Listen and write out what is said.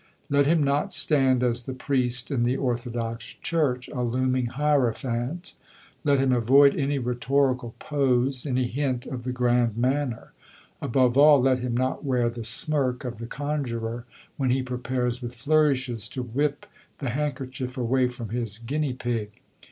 Let him not stand, as the priest in the Orthodox Church, a looming hierophant. Let him avoid any rhetorical pose, any hint of the grand manner. Above all, let him not wear the smirk of the conjuror when he prepares with flourishes to whip the handkerchief away from his guinea pig.